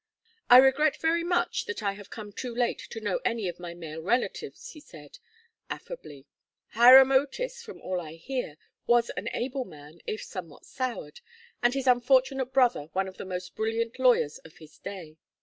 "I regret very much that I have come too late to know any of my male relatives," he said, affably. "Hiram Otis, from all I hear, was an able man, if somewhat soured, and his unfortunate brother one of the most brilliant lawyers of his day.